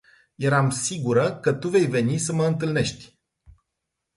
Eram sigura ca tu vei veni sa ma intalnesti.